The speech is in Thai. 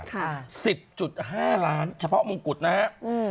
๑๐๕ล้านบาทเฉพาะมงกุฎนะฮะ